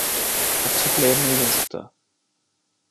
اچھا پلئیر نہیں بن سکتا،